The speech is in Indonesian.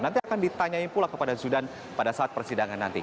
nanti akan ditanyain pula kepada zudan pada saat persidangan nanti